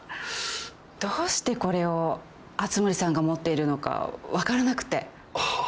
どうしてこれを熱護さんが持っているのか分からなくて。